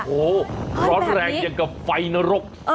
โอ้โหร้อนแรงอย่างกับไฟนรก